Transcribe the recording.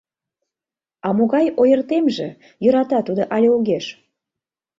А могай ойыртемже, йӧрата тудо але огеш?